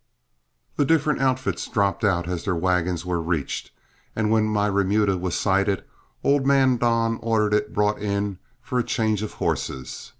The different outfits dropped out as their wagons were reached, and when my remuda was sighted, old man Don ordered it brought in for a change of horses.